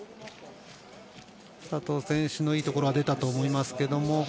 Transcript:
佐藤選手のいいところが出たと思いますけれども。